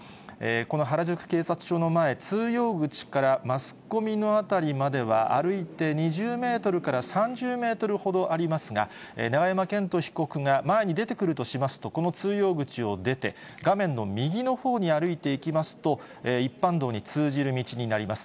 この原宿警察署の前、通用口からマスコミの辺りまでは歩いて２０メートルから３０メートルほどありますが、永山絢斗被告が前に出てくるとしますと、この通用口を出て、画面の右のほうに歩いていきますと、一般道に通じる道になります。